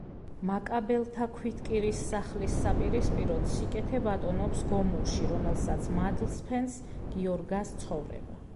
მაკაბელთა ქვითკირის სახლის საპირისპიროდ სიკეთე ბატონობს გომურში, რომელსაც მადლს ფენს გიორგას ცხოვრება.